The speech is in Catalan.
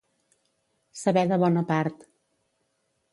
Saber de bona part.